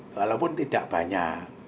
walaupun tidak banyak